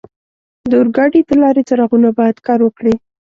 د اورګاډي د لارې څراغونه باید کار وکړي.